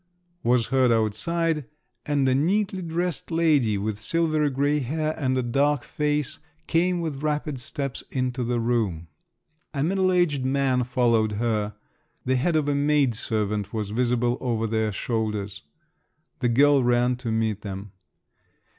was heard outside, and a neatly dressed lady with silvery grey hair and a dark face came with rapid steps into the room. A middle aged man followed her; the head of a maid servant was visible over their shoulders. The girl ran to meet them.